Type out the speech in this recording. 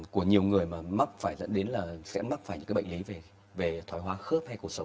của nhiều người mà mắc phải dẫn đến là sẽ mắc phải những cái bệnh lý về thoái hóa khớp hay cuộc sống